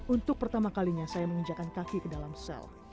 untuk pertama kalinya saya menginjakan kaki ke dalam sel